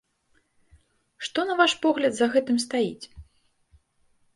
Што, на ваш погляд, за гэтым стаіць?